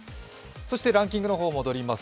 ランキングの方に戻ります。